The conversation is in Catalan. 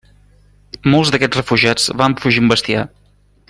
Molts d'aquests refugiats van fugir amb bestiar.